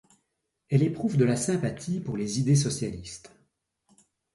Elle éprouve de la sympathie pour les idées socialistes.